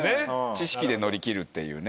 知識で乗り切るっていうね。